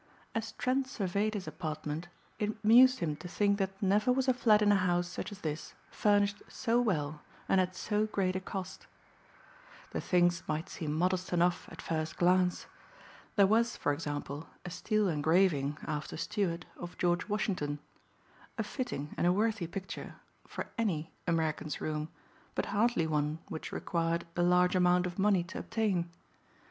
As Trent surveyed his apartment it amused him to think that never was a flat in a house such as this furnished so well and at so great a cost. The things might seem modest enough at first glance. There was, for example, a steel engraving, after Stuart, of George Washington. A fitting and a worthy picture for any American's room but hardly one which required a large amount of money to obtain.